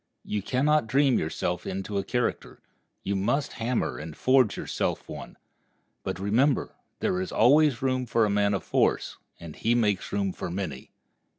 You can not dream yourself into a character; you must hammer and forge yourself one. But remember, there is always room for a man of force, and he makes room for many.